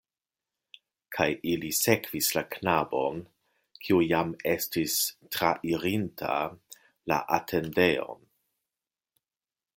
Kaj ili sekvis la knabon, kiu jam estis trairinta la atendejon.